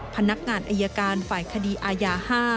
พนักงานอายการฝ่ายคดีอาญา๕